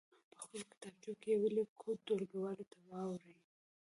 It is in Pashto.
په خپلو کتابچو کې یې ولیکئ ټولګیوالو ته واوروئ.